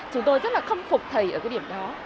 chúng tôi rất là khâm phục thầy ở cái điểm đó